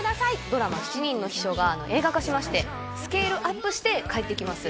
ドラマ『七人の秘書』が映画化しましてスケールアップして帰ってきます。